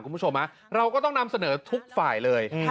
คุณผู้ชมเราก็ต้องนำเสนอทุกฝ่ายเลย